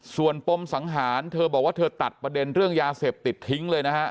ส่วนปมสังหารเธอบอกว่าเธอตัดประเด็นเรื่องยาเสพติดทิ้งเลยนะฮะ